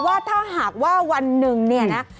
ว่าหากว่าวันหนึ่งนี่นะ